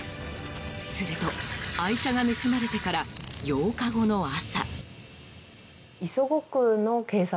すると愛車が盗まれてから８日後の朝。